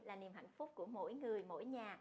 là niềm hạnh phúc của mỗi người mỗi nhà